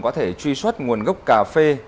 có thể truy xuất nguồn gốc cà phê